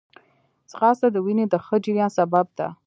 ځغاسته د وینې د ښه جریان سبب ده